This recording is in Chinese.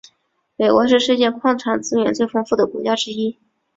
美国是世界矿产资源最丰富的国家之一。